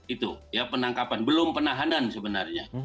itu ya penangkapan belum penahanan sebenarnya